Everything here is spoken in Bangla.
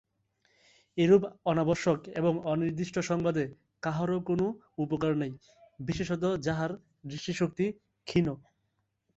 এরূপ অনাবশ্যক এবং অনির্দিষ্ট সংবাদে কাহারো কোনো উপকার নাই, বিশেষত যাহার দৃষ্টিশক্তি ক্ষীণ।